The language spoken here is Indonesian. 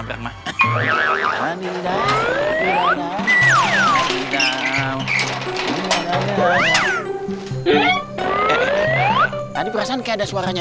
tadi perasan ada suaranya